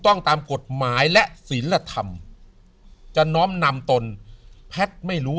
ต้องตามกฎหมายและศิลธรรมจะน้อมนำตนแพทย์ไม่รู้